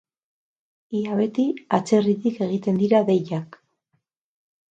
Ia beti atzerritik egiten dira deiak.